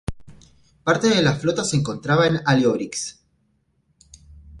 Parte de la flota se encontraba en Аliobrix.